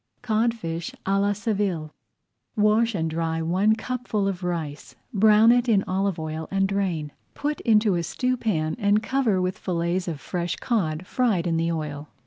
CODFISH À LA SEVILLE Wash and dry one cupful of rice, brown it in olive oil, and drain. Put into a stewpan and cover with fillets of fresh cod, fried in the oil.